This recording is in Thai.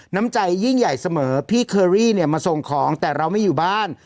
น้ำใจยิ่งใหญ่เสมอพี่เคอรี่เนี่ยมาส่งของแต่เราไม่อยู่บ้าน